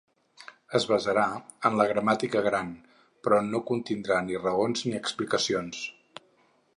Es basarà en la gramàtica ‘gran’, però no contindrà ni raons ni explicacions.